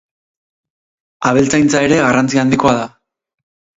Abeltzaintza ere garrantzi handikoa da.